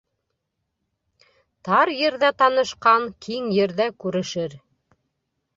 Тар ерҙә танышҡан киң ерҙә күрешер.